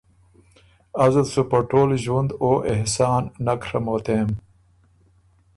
ازت سُو په ټول ݫوُند او احسان نک ڒموتېم